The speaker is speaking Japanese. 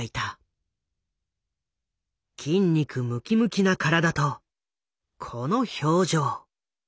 筋肉ムキムキな体とこの表情。